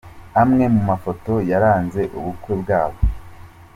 Amwe mu mafoto yaranze ubukwe bwabo.